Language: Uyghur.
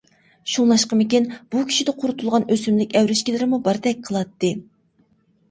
شۇڭلاشقىمىكىن بۇ كىشىدە قۇرۇتۇلغان ئۆسۈملۈك ئەۋرىشكىلىرىمۇ باردەك قىلاتتى.